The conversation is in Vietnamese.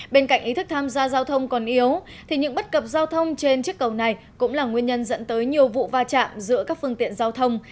bên cạnh ý thức tham gia giao thông còn yếu thì những bất cập giao thông trên chiếc cầu này cũng là nguyên nhân dẫn tới nhiều vụ va chạm giữa các phương tiện giao thông